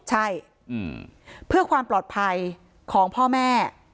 ใช่เพื่อความปลอดภัยของพ่อแม่